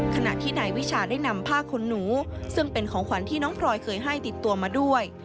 ขณะที่นายวิชาได้นำผ้าขนหนูซึ่งเป็นของขวัญที่น้องพลอยเคยให้ติดตัวมาด้วย